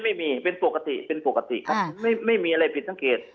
ไม่มีเป็นปกติเป็นปกติครับไม่มีอะไรผิดสังเกต